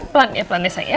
pelan ya pelannya sayang